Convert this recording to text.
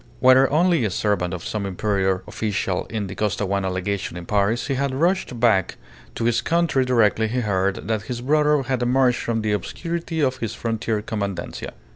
Whether only a servant or some inferior official in the Costaguana Legation in Paris, he had rushed back to his country directly he heard that his brother had emerged from the obscurity of his frontier commandancia.